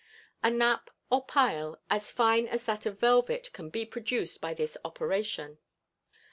A nap or pile as fine as that of velvet can be produced by this operation.